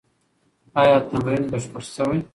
ایا تمرین بشپړ سوی؟